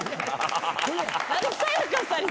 ・何でさや香さんに。